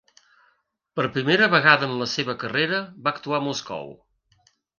Per primera vegada en la seva carrera va actuar a Moscou.